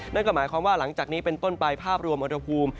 นั่นก็หมายความว่าหลังจากนี้เป็นต้นไปภาพรวมอุณหภูมิ